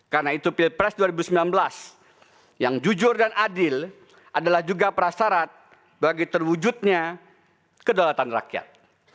karena itu pilpres dua ribu sembilan belas yang jujur dan adil adalah juga prasarat bagi terwujudnya kedolatan rakyat